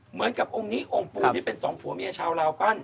เหมือนกับองค์นี้องค์ปู่นี่เป็นสองผัวเมียชาวลาวปั้น